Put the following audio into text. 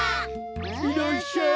いらっしゃい！